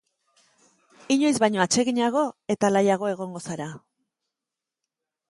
Inoiz baino atseginago eta alaiago egongo zara.